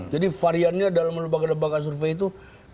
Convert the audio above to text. jadi variannya dalam lembaga lembaga survei itu